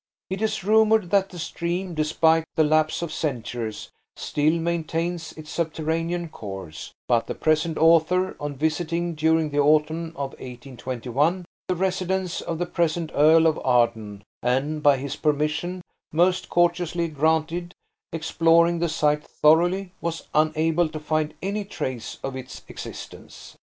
It is rumoured that the stream, despite the lapse of centuries, still maintains its subterranean course; but the present author, on visiting, during the autumn of 1821, the residence of the present Earl of Arden, and by his permission, most courteously granted, exploring the site thoroughly, was unable to find any trace of its existence.